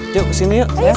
yuk sini yuk